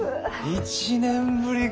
１年ぶりか。